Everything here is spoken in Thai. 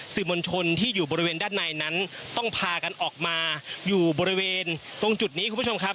มวลชนที่อยู่บริเวณด้านในนั้นต้องพากันออกมาอยู่บริเวณตรงจุดนี้คุณผู้ชมครับ